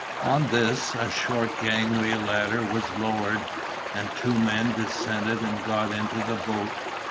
On this a short gangway ladder was lowered, and two men descended and got into the boat.